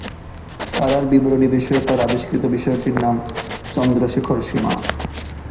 তারার বিবর্তন বিষয়ে তার আবিষ্কৃত বিষয়টির নাম চন্দ্রশেখর সীমা।